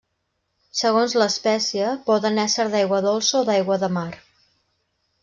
Segons l'espècie, poden ésser d'aigua dolça o d'aigua de mar.